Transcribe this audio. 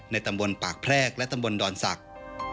ตำบลปากแพรกและตำบลดอนศักดิ์